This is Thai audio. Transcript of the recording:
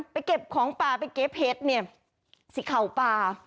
เก็บของป่าไปเก็บเห็ดเนี่ยสีเข่าป่า